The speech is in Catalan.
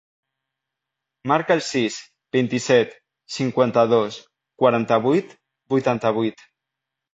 Marca el sis, vint-i-set, cinquanta-dos, quaranta-vuit, vuitanta-vuit.